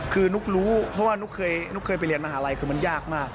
คือนุ๊กรู้เพราะว่านุ๊กเคยไปเรียนมหาลัยคือมันยากมาก